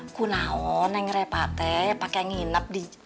aku naon neng repah teh pakai nginep di